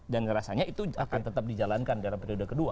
dan rasanya itu akan tetap dijalankan dalam periode kedua